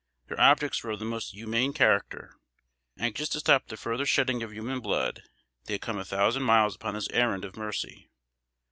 Their objects were of the most humane character. Anxious to stop the further shedding of human blood, they had come a thousand miles upon this errand of mercy.